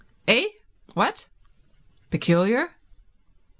"Eh? What? Peculiar?